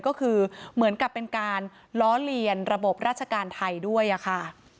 ก็คือเหมือนกับเป็นการล้อเลียนระบบราชการไทยด้วยค่ะ